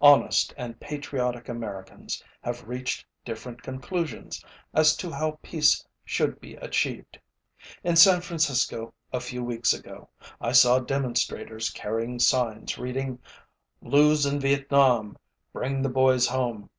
Honest and patriotic Americans have reached different conclusions as to how peace should be achieved. In San Francisco a few weeks ago, I saw demonstrators carrying signs reading, ōLose in Vietnam, bring the boys home.